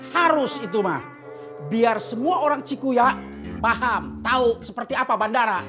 harus itu mah biar semua orang cikuya paham tahu seperti apa bandara